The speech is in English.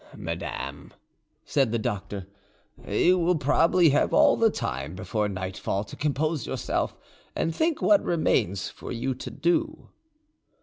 "Madame," said the doctor, "you will probably have all the time before nightfall to compose yourself and think what remains for you to do."